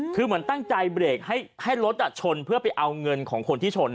คือเหมือนตั้งใจเบรกให้รถชนเพื่อไปเอาเงินของคนที่ชน